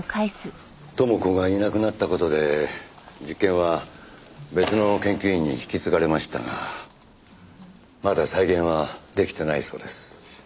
知子がいなくなった事で実験は別の研究員に引き継がれましたがまだ再現は出来てないそうです。